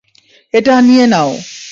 এটাই নিয়ে নাও!